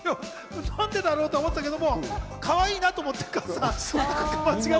何でだろう？とは思ってたけど、かわいいなと思って。